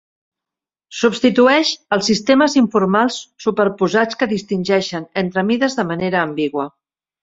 Substitueix els sistemes informals superposats que distingeixen entre mides de manera ambigua.